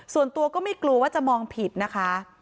ส่วนตัวก็ไม่กลัวว่าจะมองผิดนะคะ